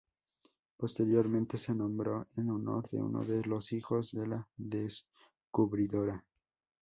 Posteriormente se nombró en honor de uno de los hijos de la descubridora.